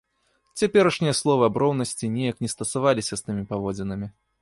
Цяперашнія словы аб роўнасці неяк не стасаваліся з тымі паводзінамі.